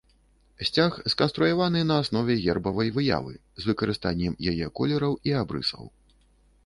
Сцяг сканструяваны на аснове гербавай выявы, з выкарыстаннем яе колераў і абрысаў.